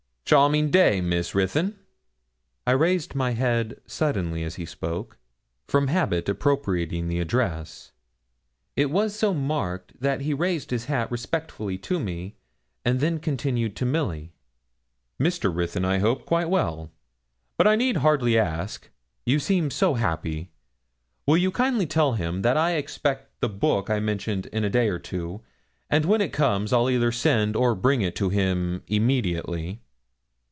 'Charming day, Miss Ruthyn.' I raised my head suddenly as he spoke, from habit appropriating the address; it was so marked that he raised his hat respectfully to me, and then continued to Milly 'Mr. Ruthyn, I hope, quite well? but I need hardly ask, you seem so happy. Will you kindly tell him, that I expect the book I mentioned in a day or two, and when it comes I'll either send or bring it to him immediately?'